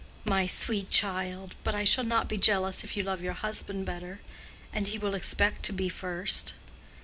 "My sweet child!—But I shall not be jealous if you love your husband better; and he will expect to be first."